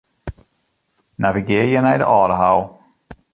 Navigearje nei de Aldehou.